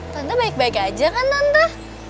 tante baik baik aja kan nonta